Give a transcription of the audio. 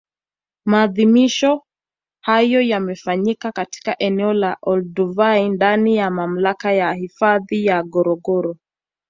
Maadhimisho hayo yamefanyika katika eneo la Olduvai ndani ya Mamlaka ya Hifadhi ya Ngorongoro